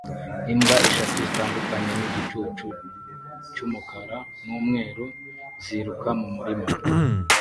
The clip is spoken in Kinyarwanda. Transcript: Imbwa eshatu zitandukanye nigicucu cyumukara numweru ziruka mumurima